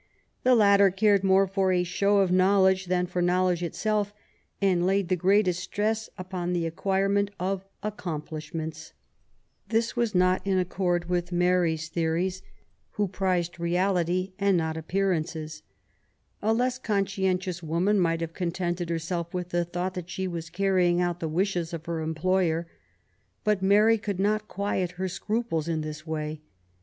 The latter cared more for a show of knowledge than for knowledge itself, and laid the greatest stress upon the acquirement of accomplish ments. This was not in accord with Mary's theories, ' 66 MAET W0LL8T0NECBAFT GODWIN. who prized reality and not appearances. A less con scientious woman might have contented herself with the thought that she was carrying out the wishes of her employer. But Mary could not quiet her scruples in this way.